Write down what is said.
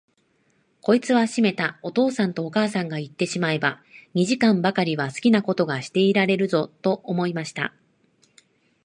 こいつはしめた、お父さんとお母さんがいってしまえば、二時間ばかりは好きなことがしていられるぞ、と思いました。